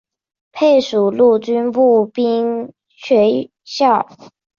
配属陆军步兵学校。